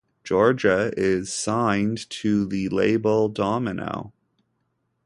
Georgia is signed to the label Domino.